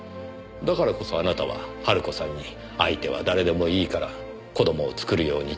だからこそあなたは晴子さんに相手は誰でもいいから子供を作るように知恵を授けた。